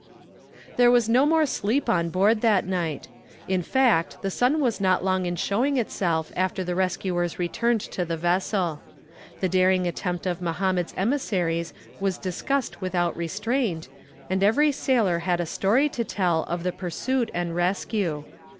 There was no more sleep on board that night. In fact the sun was not long in showing itself after the rescuers returned to the vessel. The daring attempt of Mohammed's emissaries was discussed without restraint, and every sailor had a story to tell of the pursuit and rescue.